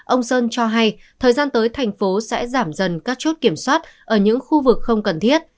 ông sơn cho hay thời gian tới thành phố sẽ giảm dần các chốt kiểm soát ở những khu vực không cần thiết